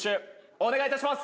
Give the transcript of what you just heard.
お願いいたします！